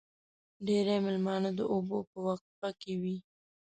ډېری مېلمانه د اوبو په وقفه کې وي.